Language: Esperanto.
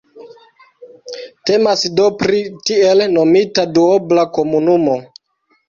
Temas do pri tiel nomita duobla komunumo.